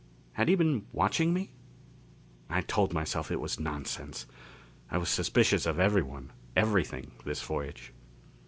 Had he been watching me? I told myself it was nonsense. I was suspicious of everyone, everything, this voyage.